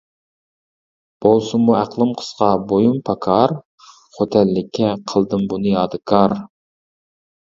بولسىمۇ ئەقلىم قىسقا، بويۇم پاكار، خوتەنلىككە قىلدىم بۇنى يادىكار.